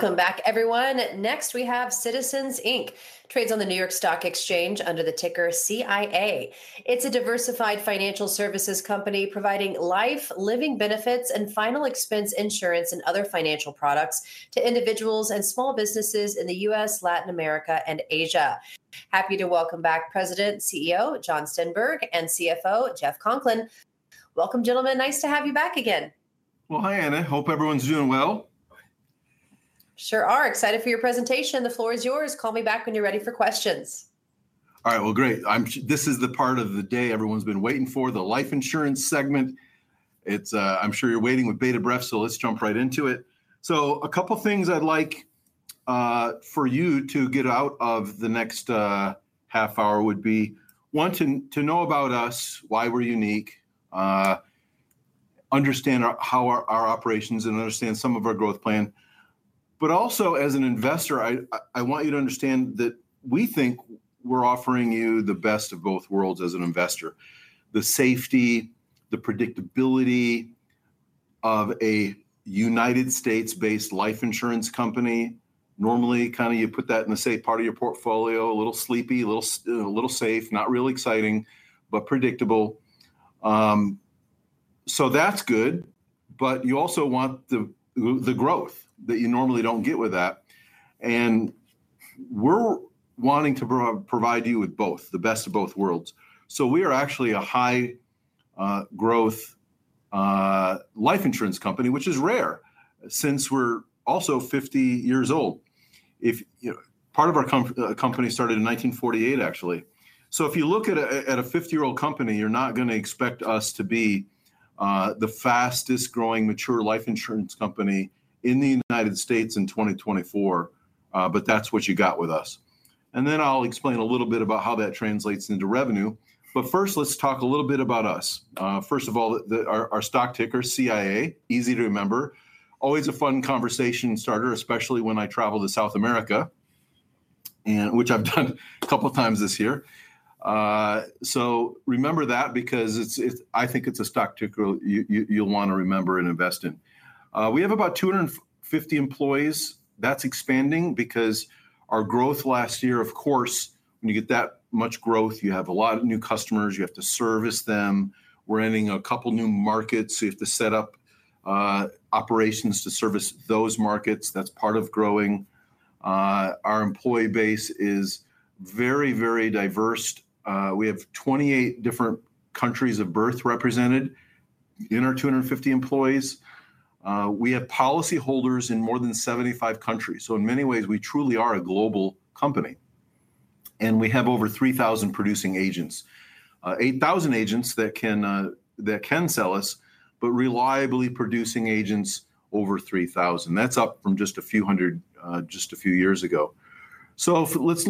Welcome back, everyone. Next, we have Citizens Inc., trades on the NYSE under the ticker CIA. It's a diversified financial services company providing life, living benefits, and final expense insurance and other financial products to individuals and small businesses in the U.S., Latin America, and Asia. Happy to welcome back President and CEO John Sternberg, and CFO Jeff Conklin. Welcome, gentlemen. Nice to have you back again. Hi, Anna. Hope everyone's doing well. Sure are. Excited for your presentation. The floor is yours. Call me back when you're ready for questions. All right. Great. This is the part of the day everyone's been waiting for, the life insurance segment. I'm sure you're waiting with bated breath, so let's jump right into it. A couple of things I'd like for you to get out of the next half hour would be wanting to know about us, why we're unique, understand how our operations and understand some of our growth plan. Also, as an investor, I want you to understand that we think we're offering you the best of both worlds as an investor. The safety, the predictability of a United States-based life insurance company. Normally, you put that in the safe part of your portfolio, a little sleepy, a little safe, not real exciting, but predictable. That's good. You also want the growth that you normally don't get with that. We're wanting to provide you with both, the best of both worlds. We are actually a high-growth life insurance company, which is rare since we're also 50 years old. Part of our company started in 1948, actually. If you look at a 50-year-old company, you're not going to expect us to be the fastest growing mature life insurance company in the United States in 2024. That's what you got with us. I'll explain a little bit about how that translates into revenue. First, let's talk a little bit about us. First of all, our stock ticker, CIA, easy to remember. Always a fun conversation starter, especially when I travel to South America, which I've done a couple of times this year. Remember that because I think it's a stock ticker you'll want to remember and invest in. We have about 250 employees. That's expanding because our growth last year, of course, when you get that much growth, you have a lot of new customers. You have to service them. We're entering a couple of new markets, so you have to set up operations to service those markets. That's part of growing. Our employee base is very, very diverse. We have 28 different countries of birth represented in our 250 employees. We have policyholders in more than 75 countries. In many ways, we truly are a global company. We have over 3,000 producing agents. 8,000 agents that can sell us, but reliably producing agents over 3,000. That's up from just a few hundred just a few years ago. Let's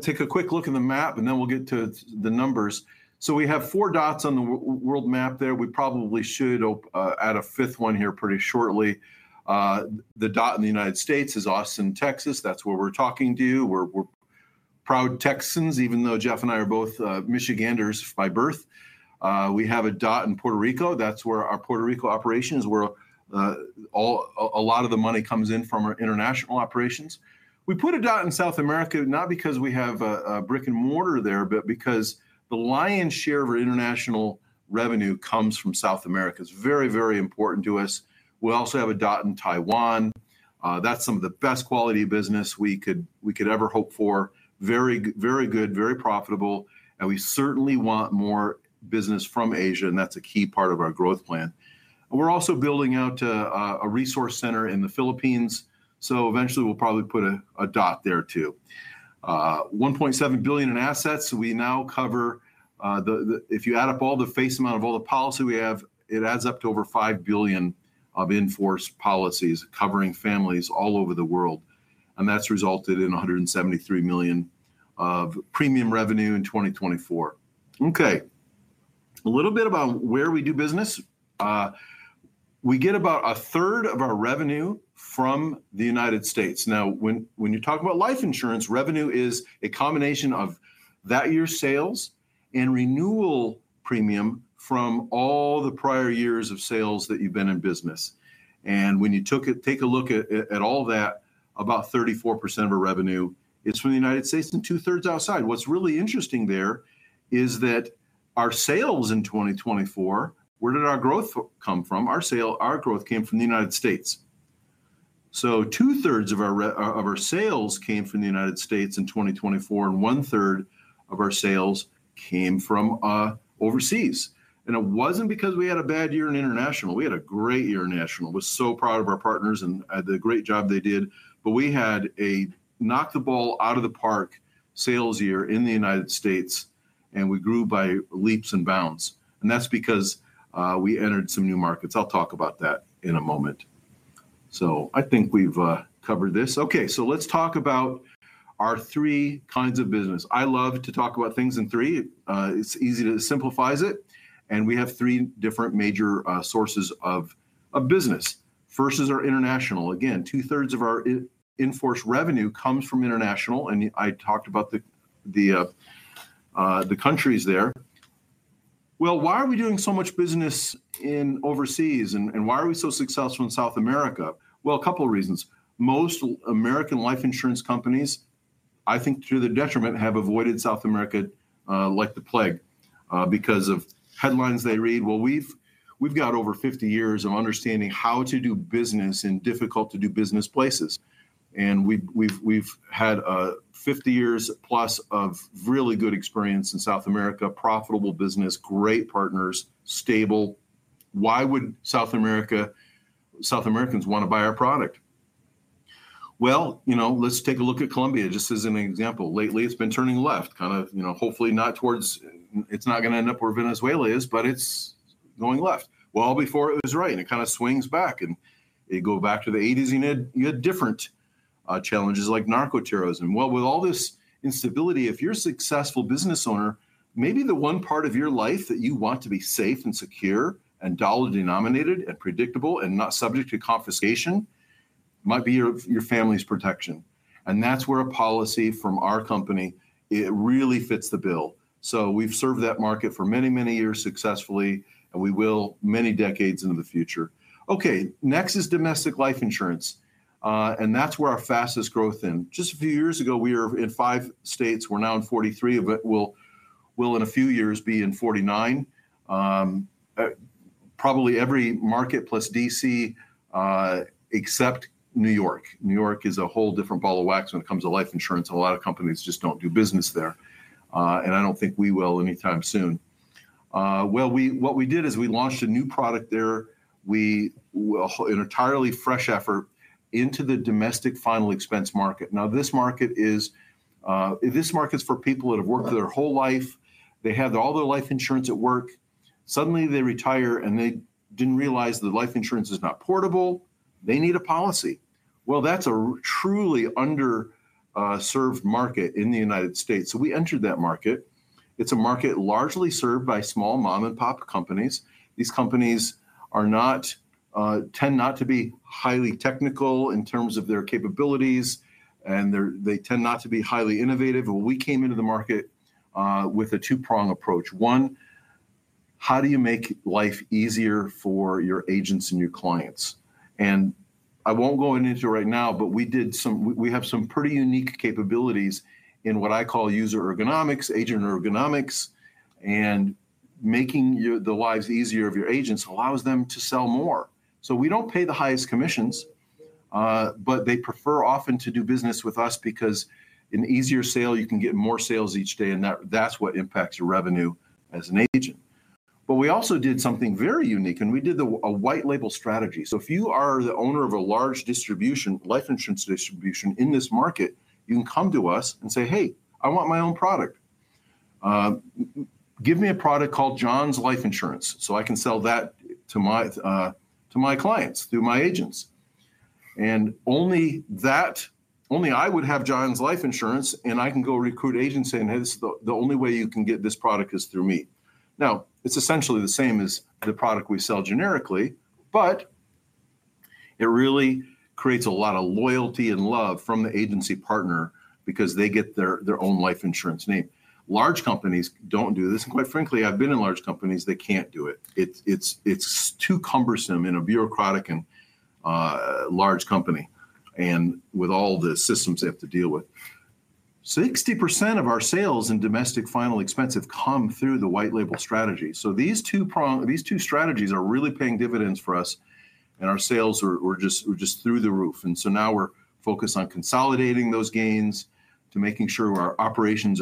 take a quick look at the map, and then we'll get to the numbers. We have four dots on the world map there. We probably should add a fifth one here pretty shortly. The dot in the United States is Austin, Texas. That's where we're talking to you. We're proud Texans, even though Jeff and I are both Michiganders by birth. We have a dot in Puerto Rico. That's where our Puerto Rico operations are. A lot of the money comes in from our international operations. We put a dot in South America, not because we have a brick and mortar there, but because the lion's share of our international revenue comes from South America. It's very, very important to us. We also have a dot in Taiwan. That's some of the best quality business we could ever hope for. Very, very good, very profitable. We certainly want more business from Asia, and that's a key part of our growth plan. We're also building out a resource center in the Philippines. Eventually, we'll probably put a dot there too. $1.7 billion in assets. We now cover, if you add up all the face amount of all the policy we have, it adds up to over $5 billion of enforced policies covering families all over the world. That's resulted in $173 million of premium revenue in 2024. Okay. A little bit about where we do business. We get about a third of our revenue from the United States. Now, when you talk about life insurance, revenue is a combination of that year's sales and renewal premium from all the prior years of sales that you've been in business. When you take a look at all that, about 34% of our revenue is from the United States and two-thirds outside. What's really interesting there is that our sales in 2024, where did our growth come from? Our growth came from the United States. Two-thirds of our sales came from the United States in 2024, and one-third of our sales came from overseas. It wasn't because we had a bad year in international. We had a great year in national. We're so proud of our partners and the great job they did. We had a knock-the-ball, out-of-the-park sales year in the United States, and we grew by leaps and bounds. That's because we entered some new markets. I'll talk about that in a moment. I think we've covered this. Okay, let's talk about our three kinds of business. I love to talk about things in three. It easily simplifies it. We have three different major sources of business. First is our international. Again, two-thirds of our enforced revenue comes from international. I talked about the countries there. Why are we doing so much business overseas? Why are we so successful in South America? A couple of reasons. Most American life insurance companies, I think to their detriment, have avoided South America like the plague because of headlines they read. We've got over 50 years of understanding how to do business in difficult-to-do business places. We've had 50 years plus of really good experience in South America, profitable business, great partners, stable. Why would South Americans want to buy our product? Let's take a look at Colombia just as an example. Lately, it's been turning left, kind of, hopefully not towards, it's not going to end up where Venezuela is, but it's going left. Before it was right, and it kind of swings back, and you go back to the 1980s, and you get different challenges like narco-terrorism. With all this instability, if you're a successful business owner, maybe the one part of your life that you want to be safe and secure and dollar-denominated and predictable and not subject to confiscation might be your family's protection. That's where a policy from our company really fits the bill. We've served that market for many, many years successfully, and we will many decades into the future. Next is domestic life insurance. That's where our fastest growth is. Just a few years ago, we were in five states. We're now in 43, but in a few years, we'll be in 49, probably every market plus D.C., except New York. New York is a whole different ball of wax when it comes to life insurance. A lot of companies just don't do business there, and I don't think we will anytime soon. What we did is we launched a new product there, an entirely fresh effort into the domestic final expense market. This market is for people that have worked their whole life. They have all their life insurance at work. Suddenly, they retire and they didn't realize that life insurance is not portable. They need a policy. That's a truly underserved market in the United States. We entered that market. It's a market largely served by small mom-and-pop companies. These companies tend not to be highly technical in terms of their capabilities, and they tend not to be highly innovative. We came into the market with a two-prong approach. One, how do you make life easier for your agents and your clients? I won't go into it right now, but we have some pretty unique capabilities in what I call user ergonomics, agent ergonomics, and making the lives easier of your agents allows them to sell more. We don't pay the highest commissions, but they prefer often to do business with us because in an easier sale, you can get more sales each day, and that's what impacts your revenue as an agent. We also did something very unique, and we did a white-label strategy. If you are the owner of a large life insurance distribution in this market, you can come to us and say, "Hey, I want my own product. Give me a product called John's Life Insurance so I can sell that to my clients, through my agents." Only I would have John's Life Insurance, and I can go recruit agents saying, "Hey, the only way you can get this product is through me." Now, it's essentially the same as the product we sell generically, but it really creates a lot of loyalty and love from the agency partner because they get their own life insurance name. Large companies don't do this, and quite frankly, I've been in large companies; they can't do it. It's too cumbersome in a bureaucratic and large company and with all the systems they have to deal with. 60% of our sales in domestic final expense have come through the white-label strategy. These two strategies are really paying dividends for us, and our sales were just through the roof. Now we're focused on consolidating those gains to making sure our operations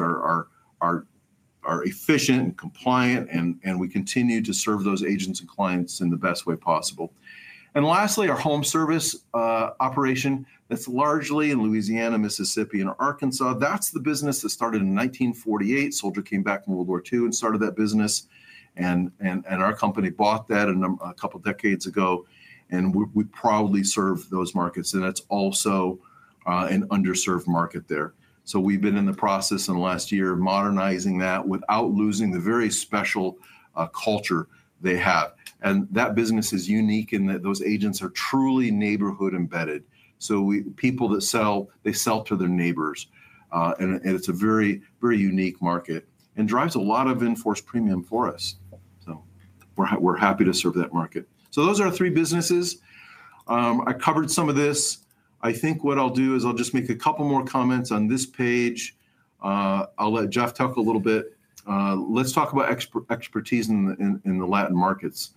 are efficient and compliant, and we continue to serve those agents and clients in the best way possible. Lastly, our home service operation that's largely in Louisiana, Mississippi, and Arkansas. That's the business that started in 1948. A soldier came back from World War II and started that business, and our company bought that a couple of decades ago, and we proudly serve those markets. That's also an underserved market there. We've been in the process in the last year of modernizing that without losing the very special culture they have. That business is unique in that those agents are truly neighborhood embedded. People that sell, they sell to their neighbors, and it's a very unique market and drives a lot of enforced premium for us. We're happy to serve that market. Those are our three businesses. I covered some of this. I think what I'll do is I'll just make a couple more comments on this page. I'll let Jeff talk a little bit. Let's talk about expertise in the Latin markets.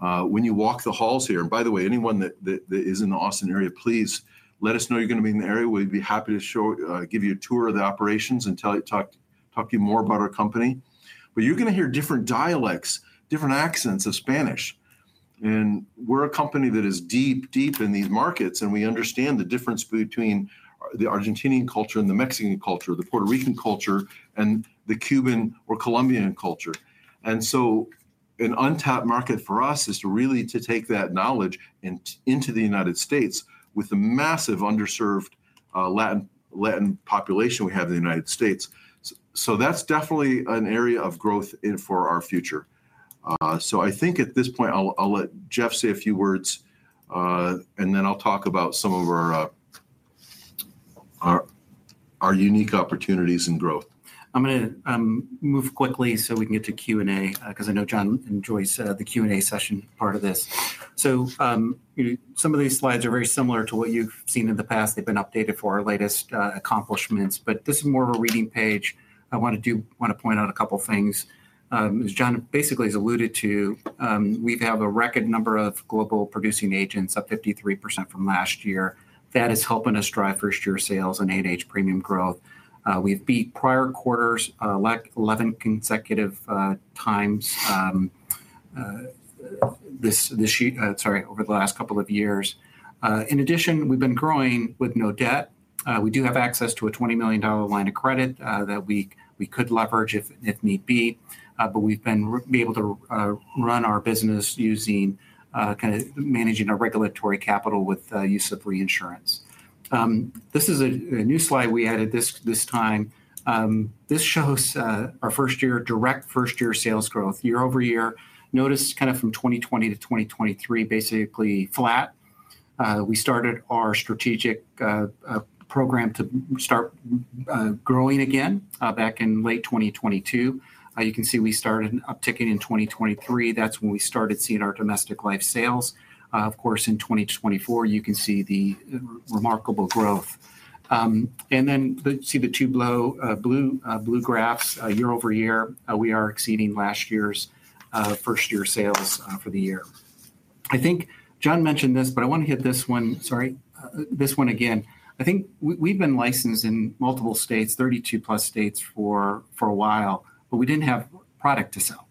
When you walk the halls here, and by the way, anyone that is in the Austin area, please let us know you're going to be in the area. We'd be happy to give you a tour of the operations and talk to you more about our company. You're going to hear different dialects, different accents of Spanish. We're a company that is deep, deep in these markets, and we understand the difference between the Argentinian culture and the Mexican culture, the Puerto Rican culture, and the Cuban or Colombian culture. An untapped market for us is to really take that knowledge into the United States with the massive underserved Latin population we have in the United States. That's definitely an area of growth for our future. I think at this point, I'll let Jeff say a few words, and then I'll talk about some of our unique opportunities and growth. I'm going to move quickly so we can get to Q&A because I know John enjoys the Q&A session part of this. Some of these slides are very similar to what you've seen in the past. They've been updated for our latest accomplishments, but this is more of a reading page. I want to point out a couple of things. As John basically alluded to, we have a record number of global producing agents, up 53% from last year. That is helping us drive first-year sales and A&H premium growth. We've beat prior quarters 11 consecutive times this year, sorry, over the last couple of years. In addition, we've been growing with no debt. We do have access to a $20 million line of credit that we could leverage if need be, but we've been able to run our business using kind of managing our regulatory capital with the use of free insurance. This is a new slide we added this time. This shows our first-year direct sales growth year over year. Notice kind of from 2020 to 2023, basically flat. We started our strategic program to start growing again back in late 2022. You can see we started an uptick in 2023. That's when we started seeing our domestic life sales. In 2024, you can see the remarkable growth. You see the two blue graphs year over year. We are exceeding last year's first-year sales for the year. I think John mentioned this, but I want to hit this one. Sorry, this one again. I think we've been licensed in multiple states, 32 plus states for a while, but we didn't have product to sell.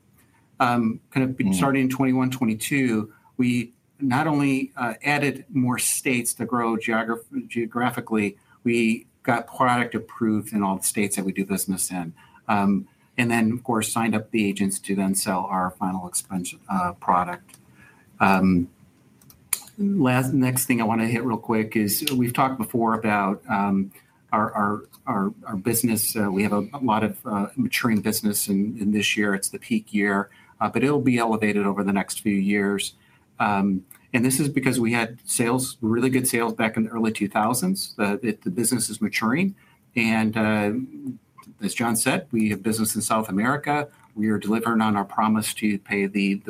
Starting in 2021, 2022, we not only added more states to grow geographically, we got product approved in all the states that we do business in. Of course, signed up the agents to then sell our final expense product. The next thing I want to hit real quick is we've talked before about our business. We have a lot of maturing business in this year. It's the peak year, but it'll be elevated over the next few years. This is because we had really good sales back in the early 2000s. The business is maturing. As John said, we have business in South America. We are delivering on our promise to pay the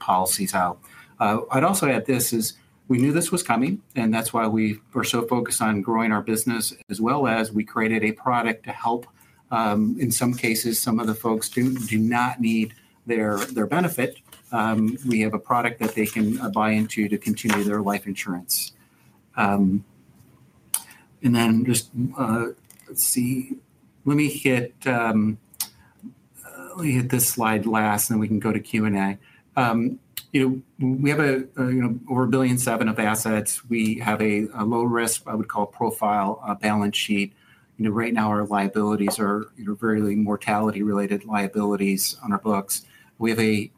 policies out. I'd also add this is we knew this was coming, and that's why we were so focused on growing our business as well as we created a product to help, in some cases, some of the folks who do not need their benefit. We have a product that they can buy into to continue their life insurance. Let's see. Let me hit this slide last, and then we can go to Q&A. We have over $1.7 billion of assets. We have a low-risk, I would call, profile balance sheet. Right now, our liabilities are very mortality-related liabilities on our books. We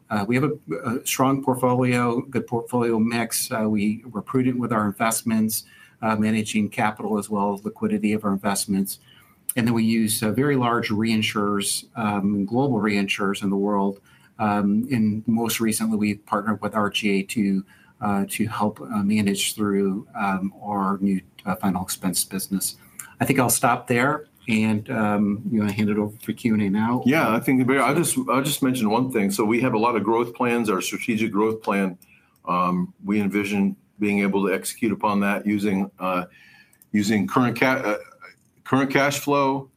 have a strong portfolio, good portfolio mix. We're prudent with our investments, managing capital as well, liquidity of our investments. We use very large reinsurers, global reinsurers in the world. Most recently, we partnered with RGA to help manage through our new final expense business. I think I'll stop there, and I'll hand it over for Q&A now. Yeah, I think I'll just mention one thing. We have a lot of growth plans. Our strategic growth plan, we envision being able to execute upon that using current cash flow,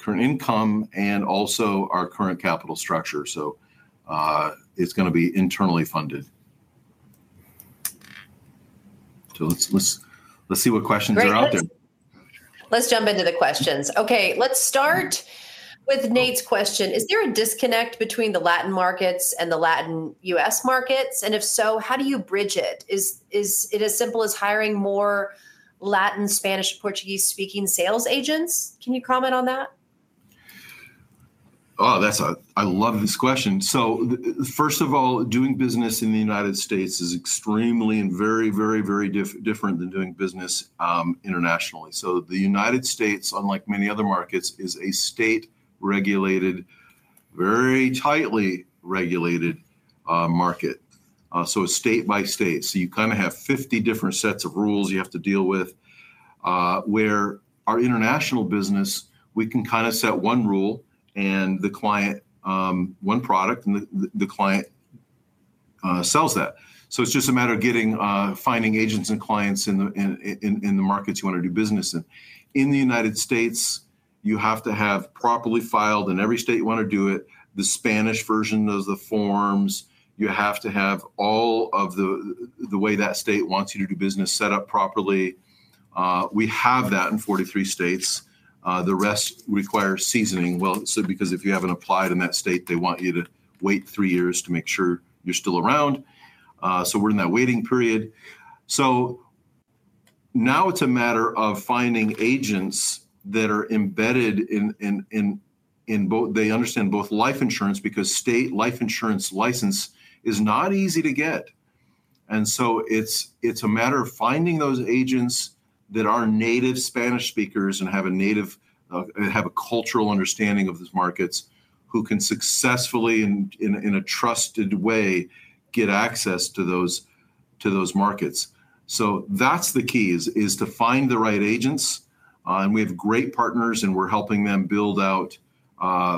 current income, and also our current capital structure. It's going to be internally funded. Let's see what questions are out there. Let's jump into the questions. Okay, let's start with Nate's question. Is there a disconnect between the Latin America markets and the Latin U.S. markets? If so, how do you bridge it? Is it as simple as hiring more Latin, Spanish, Portuguese-speaking sales agents? Can you comment on that? Oh, I love this question. First of all, doing business in the United States is extremely and very, very, very different than doing business internationally. The United States, unlike many other markets, is a state-regulated, very tightly regulated market. It's state by state, so you kind of have 50 different sets of rules you have to deal with. Where our international business, we can kind of set one rule and the client, one product, and the client sells that. It's just a matter of getting, finding agents and clients in the markets you want to do business in. In the United States, you have to have properly filed in every state you want to do it. The Spanish version of the forms, you have to have all of the way that state wants you to do business set up properly. We have that in 43 states. The rest require seasoning. If you haven't applied in that state, they want you to wait three years to make sure you're still around. We're in that waiting period. Now it's a matter of finding agents that are embedded in both, they understand both life insurance because state life insurance license is not easy to get. It's a matter of finding those agents that are native Spanish speakers and have a cultural understanding of those markets who can successfully, in a trusted way, get access to those markets. The key is to find the right agents. We have great partners, and we're helping them build out.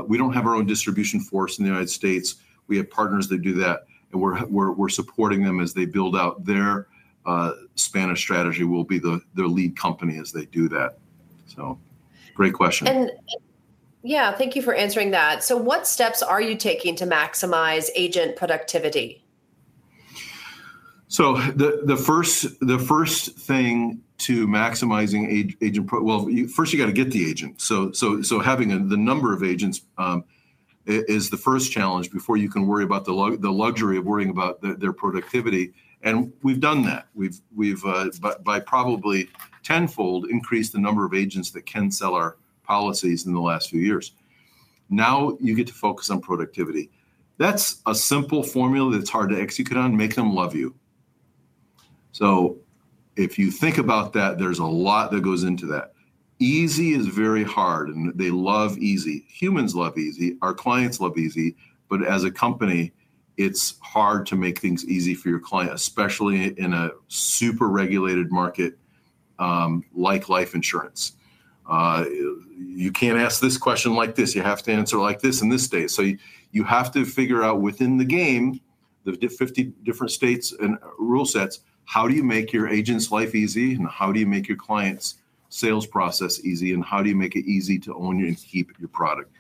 We don't have our own distribution force in the United States. We have partners that do that, and we're supporting them as they build out their Spanish strategy. We'll be their lead company as they do that. Great question. Thank you for answering that. What steps are you taking to maximize agent productivity? The first thing to maximizing agent productivity is you have to get the agent. Having the number of agents is the first challenge before you can worry about the luxury of worrying about their productivity. We've, by probably tenfold, increased the number of agents that can sell our policies in the last few years. Now you get to focus on productivity. That's a simple formula that's hard to execute on. Make them love you. If you think about that, there's a lot that goes into that. Easy is very hard, and they love easy. Humans love easy. Our clients love easy. As a company, it's hard to make things easy for your client, especially in a super regulated market like life insurance. You can't ask this question like this. You have to answer like this in this state. You have to figure out within the game, the 50 different states and rule sets, how do you make your agents' life easy and how do you make your client's sales process easy and how do you make it easy to own you and keep your product.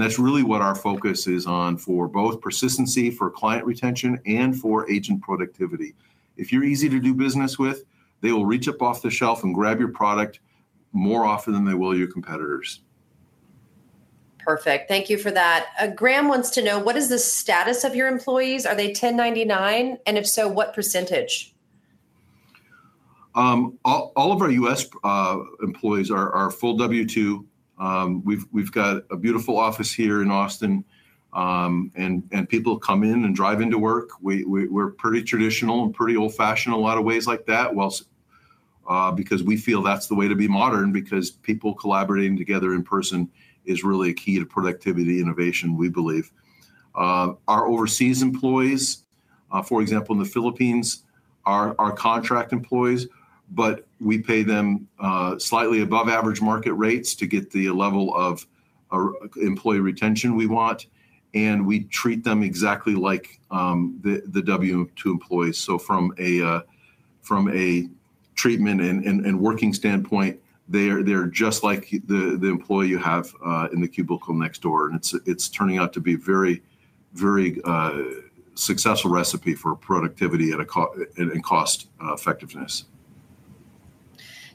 That's really what our focus is on for both persistency, for client retention, and for agent productivity. If you're easy to do business with, they will reach up off the shelf and grab your product more often than they will your competitors. Perfect. Thank you for that. Graham wants to know, what is the status of your employees? Are they 1099? If so, what %? All of our U.S. employees are full W-2. We've got a beautiful office here in Austin, and people come in and drive into work. We're pretty traditional and pretty old-fashioned in a lot of ways like that because we feel that's the way to be modern, because people collaborating together in person is really a key to productivity and innovation, we believe. Our overseas employees, for example, in the Philippines, are our contract employees, but we pay them slightly above average market rates to get the level of employee retention we want. We treat them exactly like the W-2 employees. From a treatment and working standpoint, they're just like the employee you have in the cubicle next door. It's turning out to be a very, very successful recipe for productivity and cost effectiveness.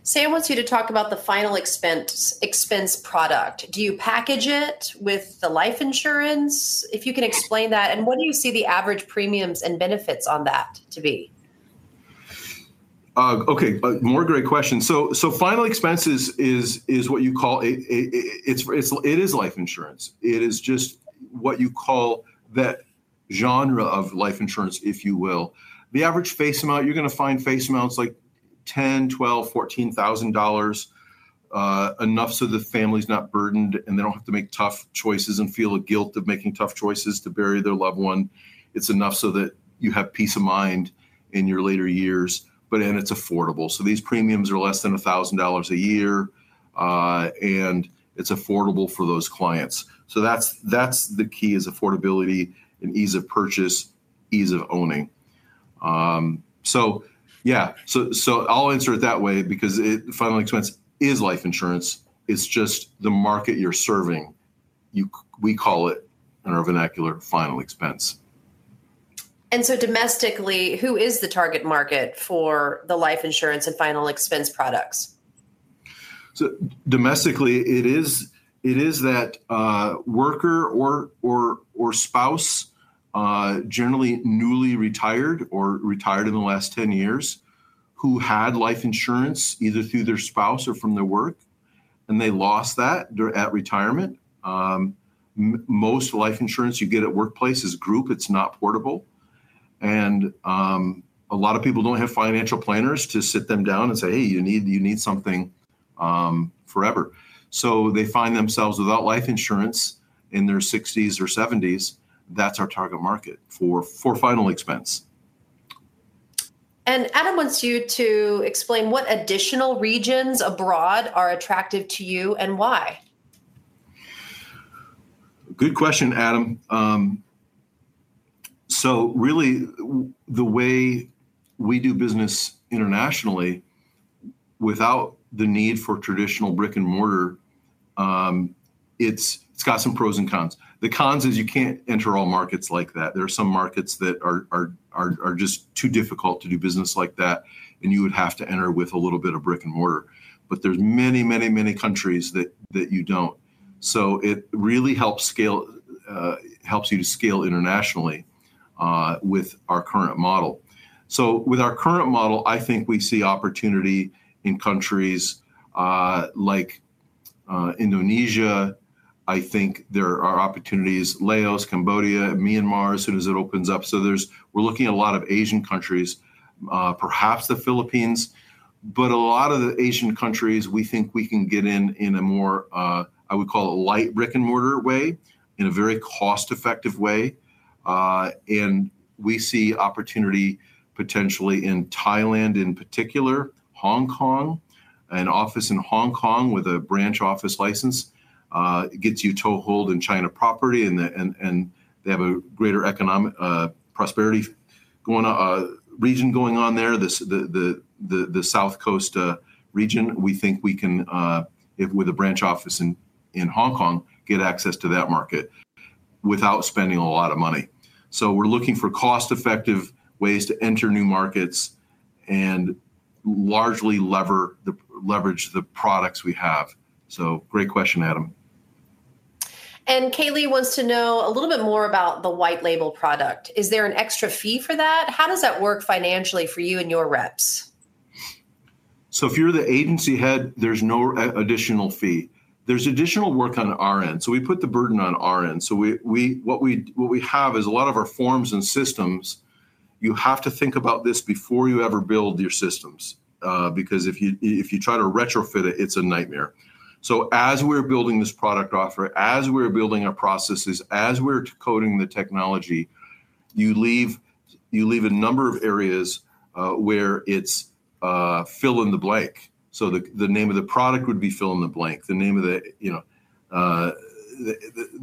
Sam wants you to talk about the final expense product. Do you package it with the life insurance? If you can explain that, and what do you see the average premiums and benefits on that to be? Okay, great question. Final expense is what you call, it is life insurance. It is just what you call that genre of life insurance, if you will. The average face amount, you're going to find face amounts like $10,000, $12,000, $14,000, enough so the family's not burdened and they don't have to make tough choices and feel the guilt of making tough choices to bury their loved one. It's enough so that you have peace of mind in your later years, but it's affordable. These premiums are less than $1,000 a year, and it's affordable for those clients. The key is affordability and ease of purchase, ease of owning. I'll answer it that way because the final expense is life insurance. It's just the market you're serving. We call it, in our vernacular, final expense. Domestically, who is the target market for the life insurance and final expense products? Domestically, it is that worker or spouse, generally newly retired or retired in the last 10 years, who had life insurance either through their spouse or from their work, and they lost that at retirement. Most life insurance you get at workplaces is group. It's not portable. A lot of people don't have financial planners to sit them down and say, "Hey, you need something forever." They find themselves without life insurance in their 60s or 70s. That's our target market for final expense. Adam wants you to explain what additional regions abroad are attractive to you and why. Good question, Adam. Really, the way we do business internationally without the need for traditional brick and mortar, it's got some pros and cons. The cons is you can't enter all markets like that. There are some markets that are just too difficult to do business like that, and you would have to enter with a little bit of brick and mortar. There are many, many, many countries that you don't. It really helps you to scale internationally with our current model. With our current model, I think we see opportunity in countries like Indonesia. I think there are opportunities, Laos, Cambodia, Myanmar, as soon as it opens up. We're looking at a lot of Asian countries, perhaps the Philippines. A lot of the Asian countries, we think we can get in in a more, I would call it light brick and mortar way, in a very cost-effective way. We see opportunity potentially in Thailand, in particular, Hong Kong. An office in Hong Kong with a branch office license gets you to hold in China property, and they have a greater economic prosperity region going on there. The South Coast region, we think we can, with a branch office in Hong Kong, get access to that market without spending a lot of money. We're looking for cost-effective ways to enter new markets and largely leverage the products we have. Great question, Adam. Kaylee wants to know a little bit more about the white-label product. Is there an extra fee for that? How does that work financially for you and your reps? If you're the agency head, there's no additional fee. There's additional work on our end. We put the burden on our end. What we have is a lot of our forms and systems; you have to think about this before you ever build your systems because if you try to retrofit it, it's a nightmare. As we're building this product offer, as we're building our processes, as we're coding the technology, you leave a number of areas where it's fill in the blank. The name of the product would be fill in the blank. The name of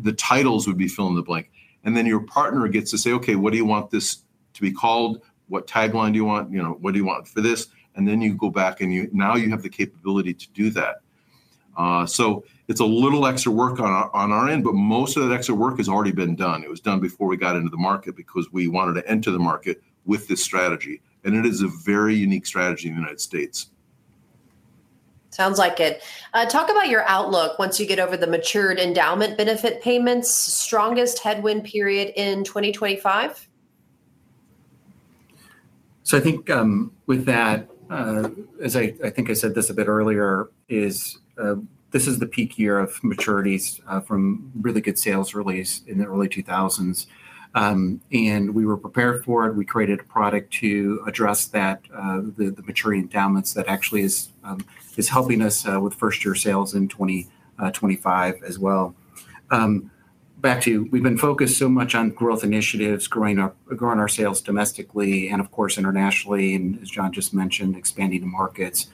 the titles would be fill in the blank. Then your partner gets to say, "Okay, what do you want this to be called? What tagline do you want? What do you want for this?" You go back and now you have the capability to do that. It's a little extra work on our end, but most of that extra work has already been done. It was done before we got into the market because we wanted to enter the market with this strategy. It is a very unique strategy in the United States. Sounds like it. Talk about your outlook once you get over the matured endowment benefit payments, strongest headwind period in 2025. I think with that, as I think I said this a bit earlier, this is the peak year of maturities from really good sales release in the early 2000s. We were prepared for it. We created a product to address that, the maturity endowments that actually is helping us with first-year sales in 2025 as well. We've been focused so much on growth initiatives, growing our sales domestically and, of course, internationally, and as John just mentioned, expanding to markets.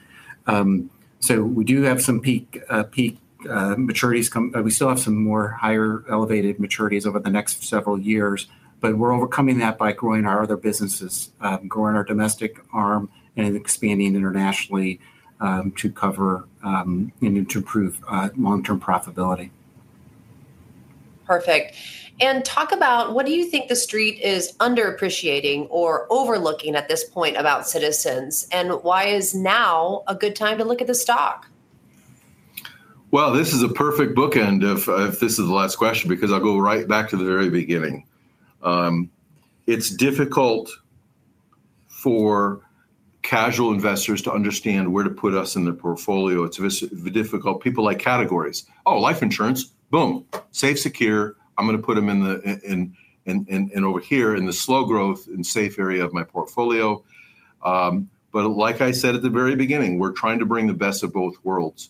We do have some peak maturities come. We still have some more higher elevated maturities over the next several years, but we're overcoming that by growing our other businesses, growing our domestic arm, and expanding internationally to cover and to improve long-term profitability. Perfect. Talk about what do you think the street is underappreciating or overlooking at this point about Citizens and why is now a good time to look at the stock? This is a perfect bookend if this is the last question because I'll go right back to the very beginning. It's difficult for casual investors to understand where to put us in the portfolio. It's difficult. People like categories. Oh, life insurance. Boom. Safe, secure. I'm going to put them over here in the slow growth and safe area of my portfolio. Like I said at the very beginning, we're trying to bring the best of both worlds.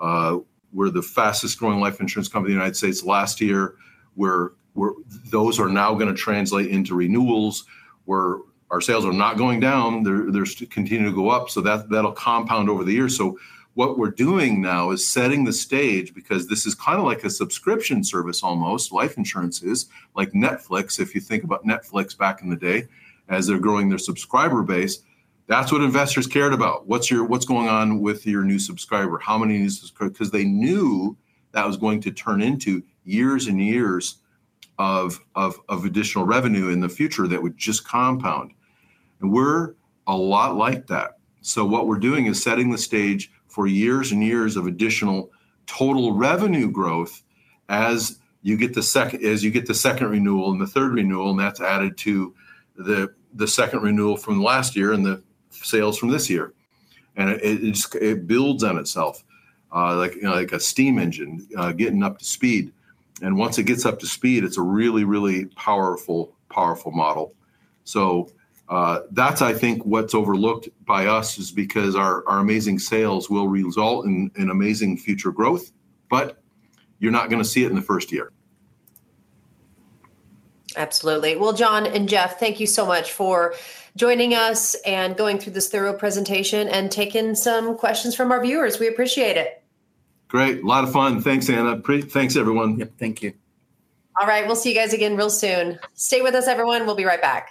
We're the fastest growing life insurance company in the United States last year. Those are now going to translate into renewals, where our sales are not going down. They're continuing to go up. That'll compound over the years. What we're doing now is setting the stage because this is kind of like a subscription service almost, life insurance is, like Netflix. If you think about Netflix back in the day as they're growing their subscriber base, that's what investors cared about. What's going on with your new subscriber? How many new subscribers? They knew that was going to turn into years and years of additional revenue in the future that would just compound. We're a lot like that. What we're doing is setting the stage for years and years of additional total revenue growth as you get the second renewal and the third renewal, and that's added to the second renewal from the last year and the sales from this year. It builds on itself like a steam engine getting up to speed. Once it gets up to speed, it's a really, really powerful model. That's, I think, what's overlooked by us is because our amazing sales will result in amazing future growth, but you're not going to see it in the first year. Absolutely. John and Jeff, thank you so much for joining us and going through this thorough presentation and taking some questions from our viewers. We appreciate it. Great. A lot of fun. Thanks, Anna. Thanks, everyone. Yeah, thank you. All right. We'll see you guys again real soon. Stay with us, everyone. We'll be right back.